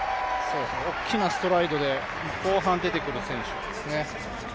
大きなストライドで後半出てくる選手ですね。